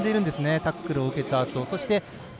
タックルを受けた跡。